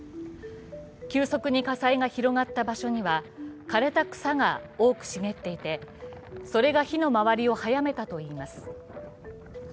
急速に火災が広がった場所には枯れた草が多く茂っていてそれが火の回りを早めたといいます。